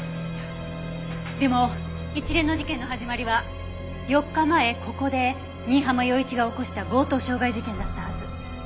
でも一連の事件の始まりは４日前ここで新浜陽一が起こした強盗傷害事件だったはず。